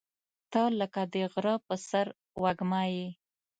• ته لکه د غره پر سر وږمه یې.